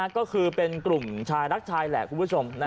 ก็คือเป็นกลุ่มชายรักชายแหละคุณผู้ชม